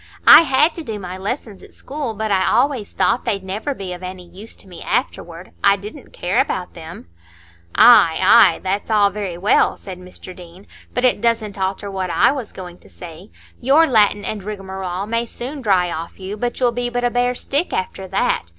I had to do my lessons at school, but I always thought they'd never be of any use to me afterward; I didn't care about them." "Ay, ay, that's all very well," said Mr Deane; "but it doesn't alter what I was going to say. Your Latin and rigmarole may soon dry off you, but you'll be but a bare stick after that.